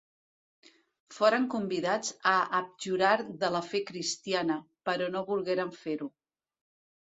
Foren convidats a abjurar de la fe cristiana, però no volgueren fer-ho.